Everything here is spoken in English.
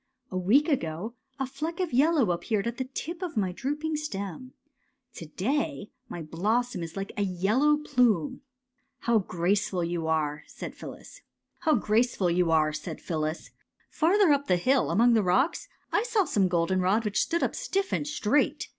'' A week ago a fleck of yellow appeared at the tip of my drooping stem. To day my blossom is like a yellow plume." '^ How graceful you are! " said Phyllis. '^ Farther up the hill, among the rocks, I saw some goldenrod which stood up stiff and straight.